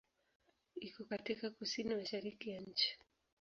Iko katika kusini-mashariki ya nchi.